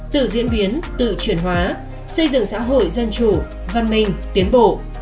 tự diễn biến tự chuyển hóa xây dựng xã hội dân chủ văn minh tiến bộ